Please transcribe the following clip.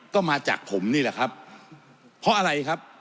ก็มาจากผมนี่แหละครับเพราะอะไรครับ